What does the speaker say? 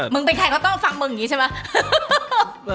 มึงเป็นใครก็ต้องฟังมึงใช่มะ